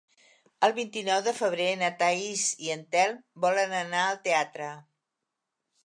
El vint-i-nou de febrer na Thaís i en Telm volen anar al teatre.